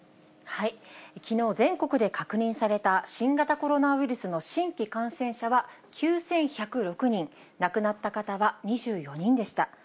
きのう、全国で確認された新型コロナウイルスの新規感染者は９１０６人、亡くなった方は２４人でした。